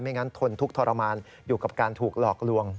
งั้นทนทุกข์ทรมานอยู่กับการถูกหลอกลวง